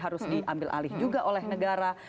harus diambil alih juga oleh negara